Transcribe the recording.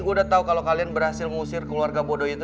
gue udah tau kalau kalian berhasil ngusir keluarga bodoh itu